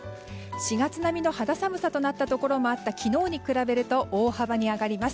４月並みの肌寒さとなったところも多くなった昨日に比べると大幅に上がります。